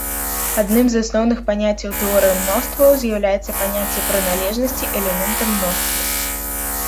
Адным з асноўных паняццяў тэорыі мностваў з'яўляецца паняцце прыналежнасці элемента мноству.